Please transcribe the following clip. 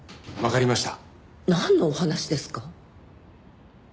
なんのお話ですか？